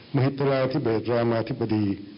มหิตราธิเบศรามาธิบดี